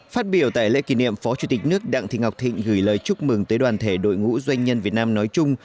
phát biểu tại lễ kỷ niệm phó chủ tịch nước đặng thị ngọc thịnh gửi lời chúc mừng tới đoàn thể đội ngũ doanh nhân việt nam nói chung